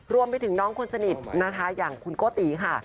รวมไปถึงน้องคนสนิทนะคะอย่างคุณโกติค่ะ